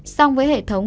song với hệ thống